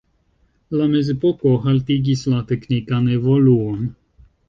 La mezepoko haltigis la teknikan evoluon.